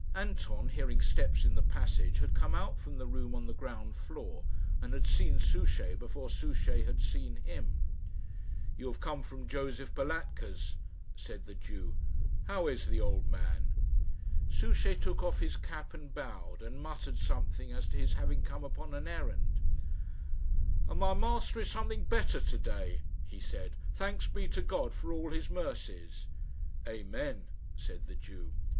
Anton, hearing steps in the passage, had come out from the room on the ground floor, and had seen Souchey before Souchey had seen him. "You have come from Josef Balatka's," said the Jew. "How is the old man?" Souchey took off his cap and bowed, and muttered something as to his having come upon an errand. "And my master is something better to day," he said, "thanks be to God for all His mercies!" "Amen," said the Jew.